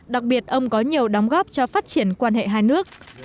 đặc biệt ông có nhiều đóng góp cho phát triển quan hệ hai nước